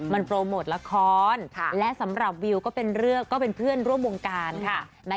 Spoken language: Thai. มันโปรโมทละครและสำหรับวิวก็เป็นเพื่อนร่วมวงการค่ะ